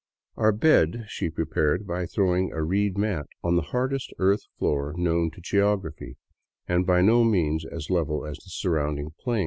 Our " bed " she prepared by throwing a reed mat on the hardest earth floor known to geography, and by no means as level as the surrounding plain.